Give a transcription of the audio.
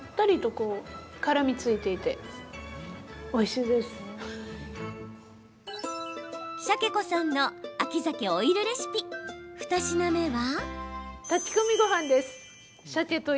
しゃけこさんの秋ザケオイルレシピ、２品目は？